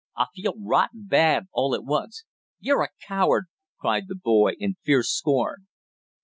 "I feel rotten bad all at once." "You're a coward!" cried the boy in fierce scorn.